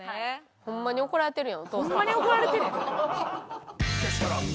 ホンマに怒られてるよ。